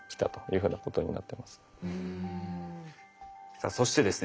さあそしてですね